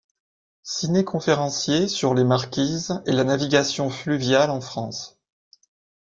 Ciné-conférencier sur Les Marquises et la navigation fluviale en France.